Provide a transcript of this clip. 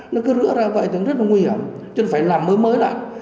nó cứ rửa ra vậy thì rất là nguy hiểm chứ phải làm mới mới lại